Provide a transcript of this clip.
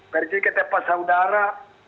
pergi ke tepat saudara